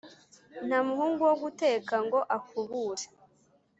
Nta muhungu wo guteka ngo akubure.”